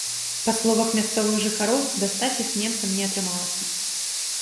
Па словах мясцовых жыхароў, дастаць іх немцам не атрымалася.